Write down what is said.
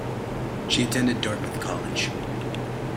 She attended Dartmouth College.